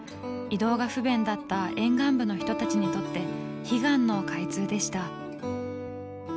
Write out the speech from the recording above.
移動が不便だった沿岸部の人たちにとって悲願の開通でした。